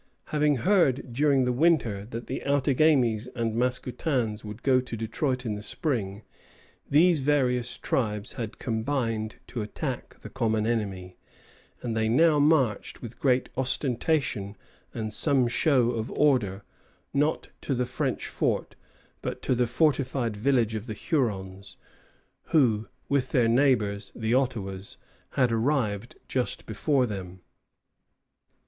Having heard during the winter that the Outagamies and Mascoutins would go to Detroit in the spring, these various tribes had combined to attack the common enemy; and they now marched with great ostentation and some show of order, not to the French fort, but to the fortified village of the Hurons, who with their neighbors, the Ottawas, had arrived just before them.